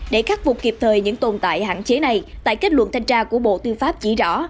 để khắc phục kịp thời những tồn tại hạn chế này tại kết luận thanh tra của bộ tư pháp chỉ rõ